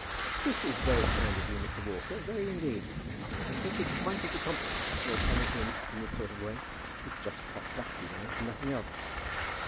"This is very kind of you, Mr. Walker; very indeed. I take it quite as a compliment, your coming in in this sort of way. It's just pot luck, you know, and nothing else."